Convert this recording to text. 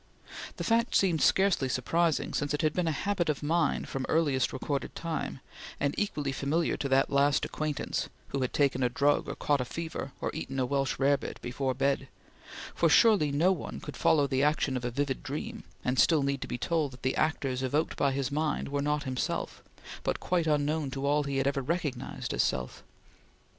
The fact seemed scarcely surprising, since it had been a habit of mind from earliest recorded time, and equally familiar to the last acquaintance who had taken a drug or caught a fever, or eaten a Welsh rarebit before bed; for surely no one could follow the action of a vivid dream, and still need to be told that the actors evoked by his mind were not himself, but quite unknown to all he had ever recognized as self.